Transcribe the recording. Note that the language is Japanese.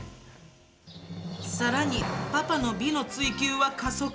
さらに、パパの美の追求は加速。